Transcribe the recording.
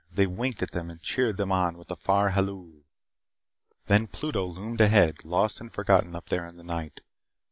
They winked at them and cheered them on with a far halloo. Then Pluto loomed ahead, lost and forgotten up there in the night.